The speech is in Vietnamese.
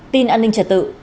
tin an ninh trật tự